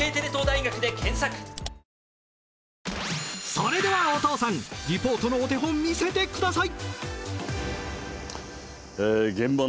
それではお父さんリポートのお手本見せてください！